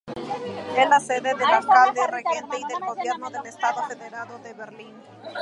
Es la sede del alcalde regente y del gobierno del estado federado de Berlín.